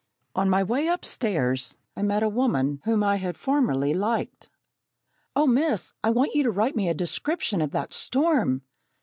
On my way upstairs I met a woman whom I had formerly liked. "Oh, Miss , I want you to write me a description of that storm!"